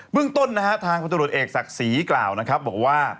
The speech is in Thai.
เรื่องต้นนะฮะทางพลตรวจเอกศักดิ์ศรีกล่าวนะครับบอกว่า